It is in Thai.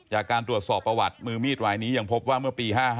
จากการตรวจสอบประวัติมือมีดวายนี้ยังพบว่าเมื่อปี๕๕